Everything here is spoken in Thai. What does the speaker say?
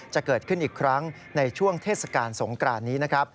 จะเกิดขึ้นอีกครั้งในช่วงเทศกรรมสงครานนี้